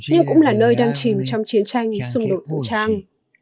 nhưng cũng là nơi đang chìm trong chiến tranh xung đột vũ trang